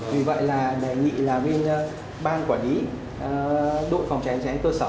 vì vậy là đề nghị là bên ban quản lý đội phòng cháy cháy cơ sở